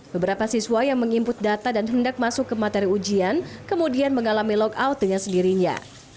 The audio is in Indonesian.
beberapa siswa yang mengimput data dan hendak masuk ke materi ujian kemudian mengalami logout nya sendirinya